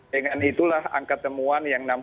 dan itulah angka temuan yang